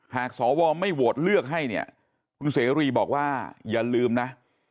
หากสวไม่โหวตเลือกให้เนี่ยคุณเสรีบอกว่าอย่าลืมนะ